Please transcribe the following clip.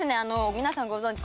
皆さんご存じ